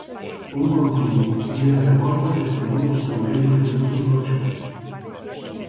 Un continuo ida e volta definiu os primeiros minutos do choque.